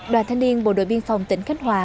đoàn thanh niên bộ đội biên phòng tỉnh khánh hòa